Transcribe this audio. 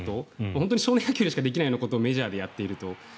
本当に少年野球でしかできないことをメジャーでやっていると。